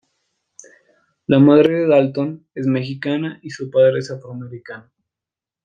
La madre de Dalton es mexicana y su padre es afroamericano.